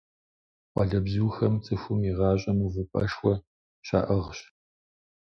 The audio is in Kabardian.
Къуалэбзухэм цӀыхум и гъащӀэм увыпӀэшхуэ щаӀыгъщ.